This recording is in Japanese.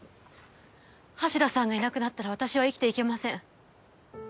橋田さんがいなくなったら私は生きていけません。